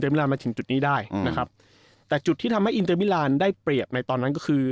มาถึงจุดนี้ได้อืมนะครับแต่จุดที่ทำให้ได้เปรียบในตอนนั้นก็คือ